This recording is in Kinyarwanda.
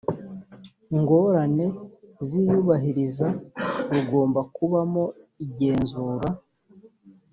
ngorane ziyubahiriza rugomba kubamo igenzura